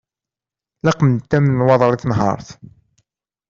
Laqent-am nnwaḍer i tenhert.